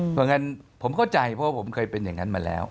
เพราะงั้นผมเข้าใจเพราะผมเคยเป็นอย่างนั้นมาแล้ว